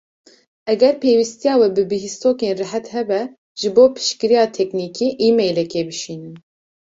Eger pêwîstiya we bi bihîstokên rihet hebe, ji bo piştgiriya teknîkî emailekî bişînin.